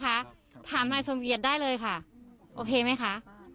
ถามทานายสมเกียรติได้เลยค่ะโอเคมั้ยคะ